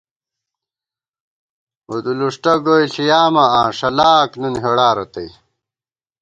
اُدُولُݭٹہ گوئی ݪِیامہ آں، ݭلاک نُون ہېڑارتئ